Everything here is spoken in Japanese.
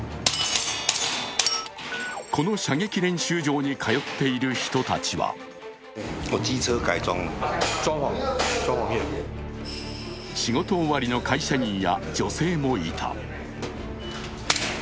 この射撃練習場に通っている人たちは仕事終わりの会社員や女性もいた。